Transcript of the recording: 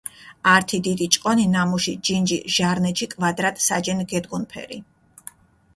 ართი დიდი ჭყონი, ნამუში ჯინჯი ჟარნეჩი კვადრატ საჯენ გედგუნფერი.